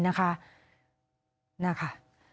นะ